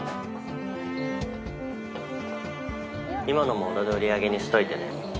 今のも俺の売り上げにしといてね。